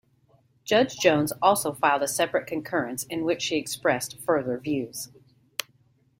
Judge Jones also filed a separate concurrence, in which she expressed further views.